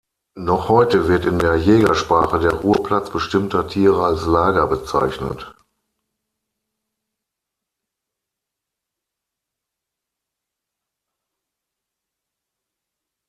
Noch heute wird in der Jägersprache der Ruheplatz bestimmter Tiere als Lager bezeichnet.